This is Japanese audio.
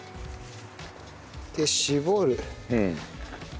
で絞る。